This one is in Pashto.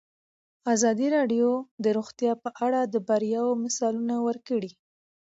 ازادي راډیو د روغتیا په اړه د بریاوو مثالونه ورکړي.